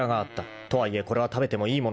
［とはいえこれは食べてもいいものだろうか］